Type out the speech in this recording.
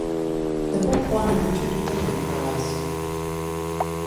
The book won the Richard Hillary Prize.